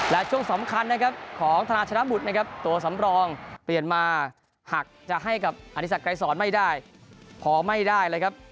และช่วงสำคัญนะครับของธนาชนะบุตรนะครับตัวสำรองเปลี่ยนมาหักจะให้กับอธิสักไกรสอนไม่ได้พอไม่ได้เลยครับ